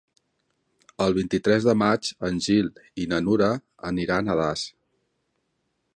El vint-i-tres de maig en Gil i na Nura aniran a Das.